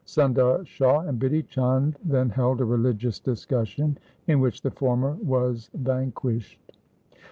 Sundar Shah and Bidhi Chand then held a religious discussion in which the former was vanquished.